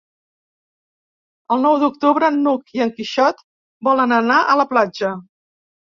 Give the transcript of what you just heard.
El nou d'octubre n'Hug i en Quixot volen anar a la platja.